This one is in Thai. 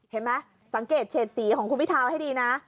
เห็นไหมสังเกตเฉดสีของคุณพิทาวให้ดีนะ